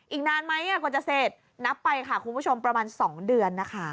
อีกนานไหมกว่าจะเสร็จนับไปค่ะคุณผู้ชมประมาณ๒เดือนนะคะ